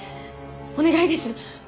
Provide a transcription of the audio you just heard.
お願いです！